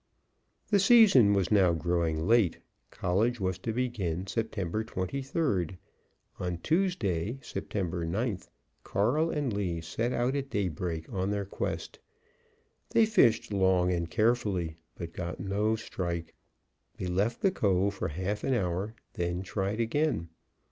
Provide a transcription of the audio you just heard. The season was now growing late. College was to begin September 23d. On Tuesday, September 9th, Carl and Lee set out at daybreak on their quest. They fished long and carefully, but got no strike. They left the cove for half an hour, then tried again.